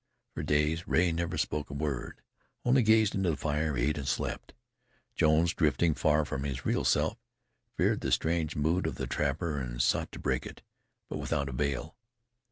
For days Rea never spoke a word, only gazed into the fire, ate and slept. Jones, drifting far from his real self, feared the strange mood of the trapper and sought to break it, but without avail.